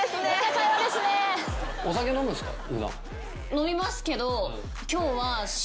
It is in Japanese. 飲みますけど。